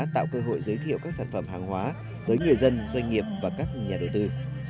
tạo cơ hội giới thiệu các sản phẩm hàng hóa tới người dân doanh nghiệp và các nhà đầu tư